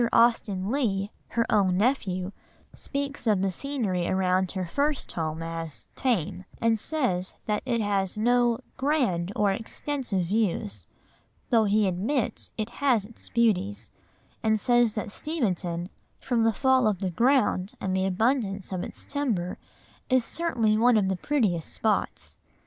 Austen Leigh, her own nephew, speaks of the scenery around her first home as "tame," and says that it has no "grand or extensive views," though he admits it has its beauties, and says that Steventon "from the fall of the ground, and the abundance of its timber, is certainly one of the prettiest spots."